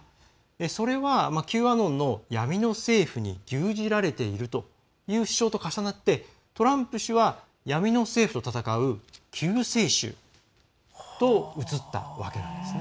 それはＱアノンの闇の政府に牛耳られているという主張と重なってトランプ氏は闇の政府と闘う救世主と映ったわけなんですね。